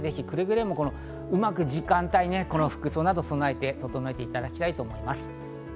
くれぐれもうまく時間帯、服装などで備えていただきたいと思います。